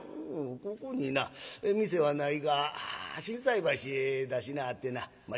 「ここにな店はないが心斎橋へ出しなはってなまあ